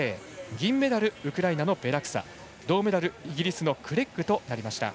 銀メダル、ウクライナのベラクサ銅メダル、イギリスのクレッグとなりました。